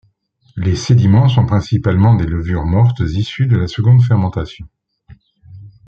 Les sédiments sont principalement des levures mortes issues de la seconde fermentation.